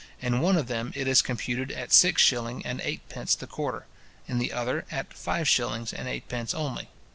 In one of them it is computed at six shilling and eightpence the quarter, in the other at five shillings and eightpence only.